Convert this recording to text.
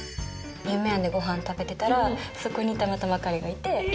夢庵でごはん食べてたらそこにたまたま彼がいて。